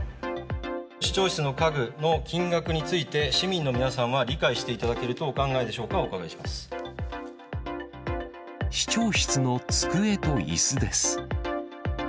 市長室の家具の金額について、市民の皆さんは理解していただけるとお考えでしょうか、お伺いし市長室の机といすです。